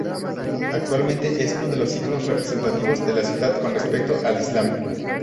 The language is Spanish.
Actualmente es uno de los iconos representativos de la ciudad con respecto al islam.